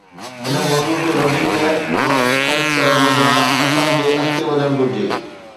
هن موضوع تي وڌيڪ وقت خرچ ڪرڻ بدران، اسان کي اڳتي وڌڻ گهرجي.